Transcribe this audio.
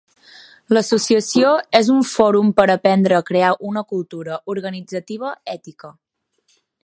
L'associació és un fòrum per aprendre a crear una cultura organitzativa ètica.